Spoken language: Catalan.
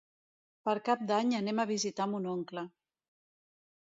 Per Cap d'Any anem a visitar mon oncle.